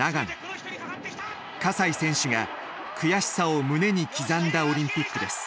西選手が悔しさを胸に刻んだオリンピックです。